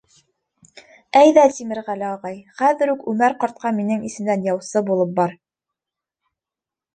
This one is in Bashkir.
— Әйҙә, Тимерғәле ағай, хәҙер үк Үмәр ҡартҡа минең исемдән яусы булып бар.